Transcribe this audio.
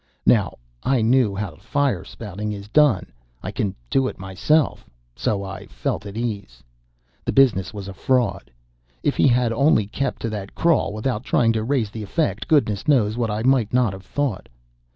Now I knew how fire spouting is done I can do it myself so I felt at ease. The business was a fraud. If he had only kept to that crawl without trying to raise the effect, goodness knows what I might not have thought.